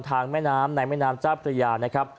แม่น้ำในแม่น้ำเจ้าพระยานะครับ